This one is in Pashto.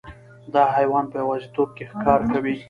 دا حیوان په یوازیتوب کې ښکار کوي.